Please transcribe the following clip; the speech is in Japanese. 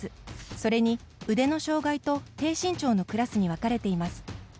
それに腕の障がいと低身長のクラスに分かれています。